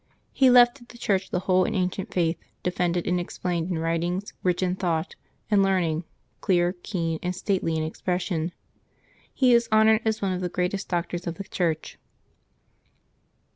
He left to the Church the whole and ancient Faith, defended and explained in writings rich in thought and learning, clear, keen, and stately in expression. He is honored as one of the greatest of the Doctors of the Church.